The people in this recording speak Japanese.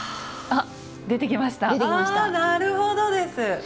あなるほどです！